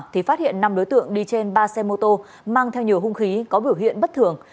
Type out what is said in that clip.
thì phát hiện năm đối tượng đi trên ba xe mô tô mang theo nhiều hung khí có biểu hiện bất thường